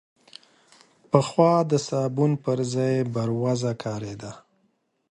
پخوا د صابون پر ځای بوروزه کارېده.